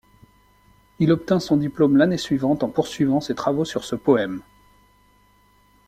Il obtint son diplôme l'année suivante en poursuivant ses travaux sur ce poème.